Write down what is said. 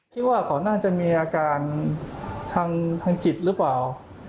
คิดว่าเขาน่าจะมีอาการทางจิตหรือเปล่า